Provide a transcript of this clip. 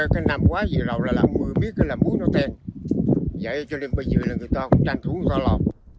mấy năm qua gì rau là làm muối biết là muối nó tèn vậy cho nên bây giờ là người ta cũng tranh thủ người ta lo